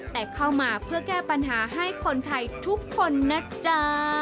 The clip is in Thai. แต่เข้ามาเพื่อแก้ปัญหาให้คนไทยทุกคนนะจ๊ะ